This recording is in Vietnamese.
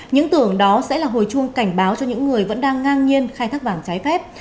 những tưởng đó sẽ là hồi chuông cảnh báo cho những người vẫn đang ngang nhiên khai thác vàng trái phép